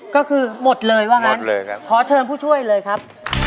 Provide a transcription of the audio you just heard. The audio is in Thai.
ก็คือหมดเลยว่างั้นหมดเลยครับขอเชิญผู้ช่วยเลยครับ